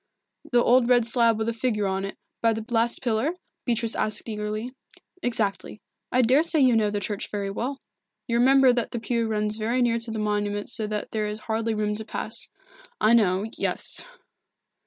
"The old red slab with a figure on it, by the last pillar?" Beatrice asked eagerly. "Exactly. I daresay you know the church very well. You remember that the pew runs very near to the monument so that there is hardly room to pass." "I know yes."